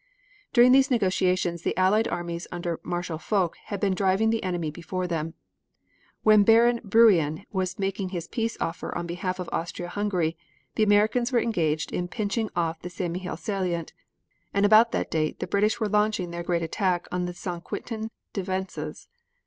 During these negotiations the Allied armies under Marshal Foch had been driving the enemy before them. When Baron Burian was making his peace offer on behalf of Austria Hungary the Americans were engaged in pinching off the St. Mihiel salient, and about that date the British were launching their great attack on the St. Quentin defenses.